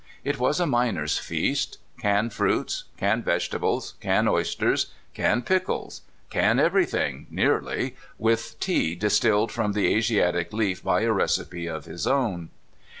It was a miner's feast: can fruits, can vegetables, can oysters, can pickles, can everything nearly, with tea distilled from the Asiatic leaf by a recipe of his own.